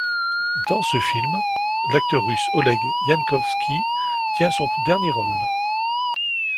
Dans ce film, l'acteur russe Oleg Yankovski tient son dernier rôle.